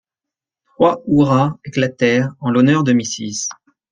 Trois hurrahs éclatèrent en l’honneur de Mrs.